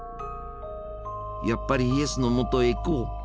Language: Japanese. やっぱりイエスのもとへ行こう！